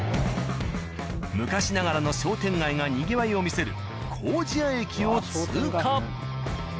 昔ながらの商店街がにぎわいを見せる糀谷駅を通過。